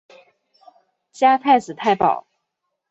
加太子太保。